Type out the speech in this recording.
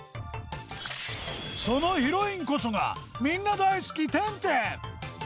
そのヒロインこそがみんな大好きテンテン